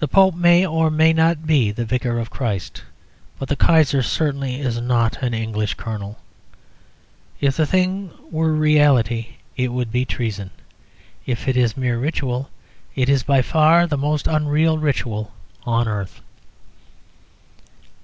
The Pope may or may not be the Vicar of Christ. But the Kaiser certainly is not an English Colonel. If the thing were reality it would be treason. If it is mere ritual, it is by far the most unreal ritual on earth.